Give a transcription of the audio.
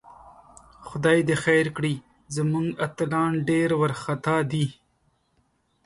خدای دې خیر کړي، زموږ اتلان ډېر وارخطاء دي